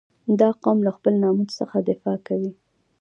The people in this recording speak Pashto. • دا قوم له خپل ناموس څخه دفاع کوي.